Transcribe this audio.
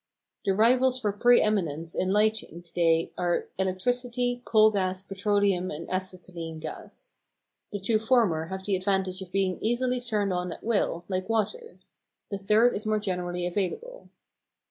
The rivals for pre eminence in lighting to day are electricity, coal gas, petroleum, and acetylene gas. The two former have the advantage of being easily turned on at will, like water; the third is more generally available.